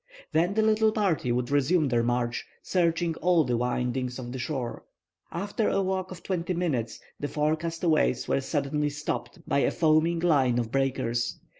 Then the little party would resume their march, searching all the windings of the shore. After a walk of twenty minutes the four castaways were suddenly stopped by a foaming line of breakers.